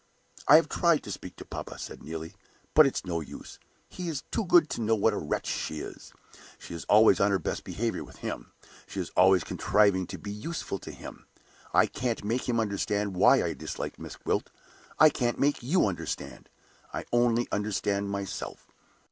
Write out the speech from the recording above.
"I have tried to speak to papa," said Neelie. "But it's no use; he is too good to know what a wretch she is. She is always on her best behavior with him; she is always contriving to be useful to him. I can't make him understand why I dislike Miss Gwilt; I can't make you understand I only understand it myself."